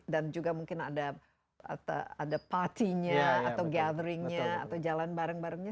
dan juga mungkin ada party nya atau gathering nya atau jalan bareng barengnya